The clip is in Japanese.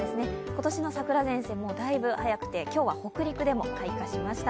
今年の桜前線、だいぶ早くて今日は北陸でも開花しました。